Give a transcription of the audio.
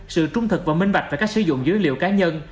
sự trung thực và minh bạch về cách sử dụng dữ liệu cá nhân